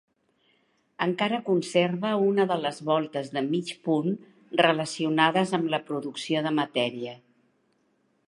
Encara conserva una de les voltes de mig punt relacionades amb la producció de matèria.